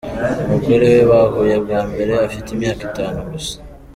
Umugore we bahuye bwa mbere afite imyaka itanu gusa.